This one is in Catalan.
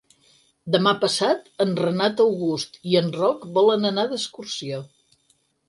Demà passat en Renat August i en Roc volen anar d'excursió.